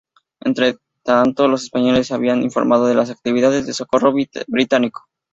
Entretanto, los españoles se habían informado de las actividades de socorro británico.